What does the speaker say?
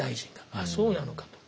あっそうなのかと。